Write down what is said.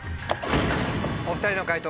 お２人の解答